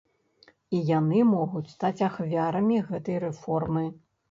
І яны могуць стаць ахвярамі гэтай рэформы.